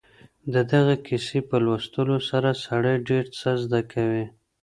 د دغې کیسې په لوستلو سره سړی ډېر څه زده کوي.